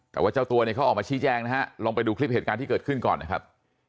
แต่ว่าเจ้าตัวเนี่ยเขาออกมาชี้แจงนะฮะลองไปดูคลิปเหตุการณ์ที่เกิดขึ้นก่อนนะครับ